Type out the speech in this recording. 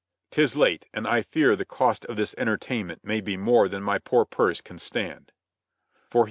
'Tis late, and I fear the cost of this entertainment may be more than my poor purse will permit to me."